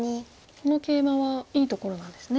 このケイマはいいところなんですね。